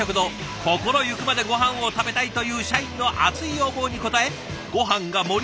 「心ゆくまでごはんを食べたい」という社員の熱い要望に応えごはんが盛り